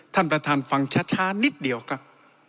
ท่านประธานฟังช้านิดเดียวครับ